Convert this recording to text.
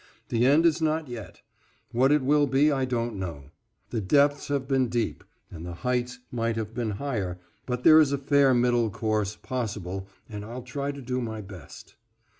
The end is not yet. What it will be I don't know. The depths have been deep and the heights might have been higher, but there is a fair middle course possible and I'll try to do my best.